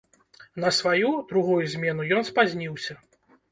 На сваю, другую, змену ён спазніўся.